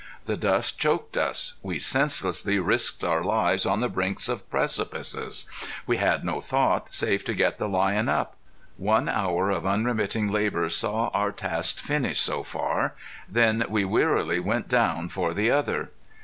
The dust choked us. We senselessly risked our lives on the brinks of precipices. We had no thought save to get the lion up. One hour of unremitting labor saw our task finished, so far. Then we wearily went down for the other.